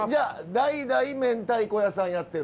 代々明太子屋さんやってる？